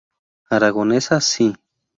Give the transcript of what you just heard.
Aragonesa Ci.